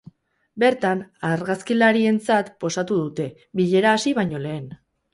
Bertan, argazkilarientzat posatu dute, bilera hasi baino lehen.